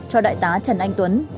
cho đại tá trần anh tuấn